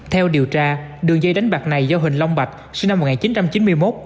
theo điều tra đường dây đánh bạc này do huỳnh long bạch sinh năm một nghìn chín trăm chín mươi một